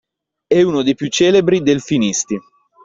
È uno dei più celebri delfinisti.